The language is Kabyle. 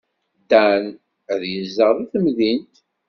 Dan ad yezdeɣ deg temdint.